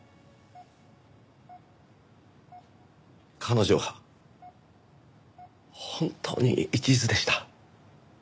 彼女は本当に一途でした。